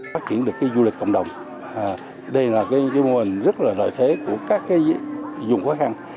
phát triển được du lịch cộng đồng đây là nơi rất là lợi thế của các dùng khó khăn